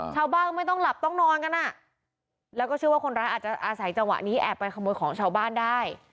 ชาวบ้านก็ไม่ต้องหลับต้องนอนกันอ่ะแล้วก็เชื่อว่าคนร้ายอาจจะอาศัยจังหวะนี้แอบไปขโมยของชาวบ้านได้